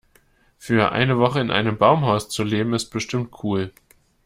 Für eine Woche in einem Baumhaus zu leben, ist bestimmt cool.